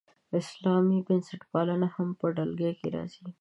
اسلامي بنسټپالنه هم په ډله کې راځي.